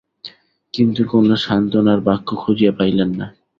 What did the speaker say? কিন্তু কোনো সান্ত্বনার বাক্য খুঁজিয়া পাইলেন না।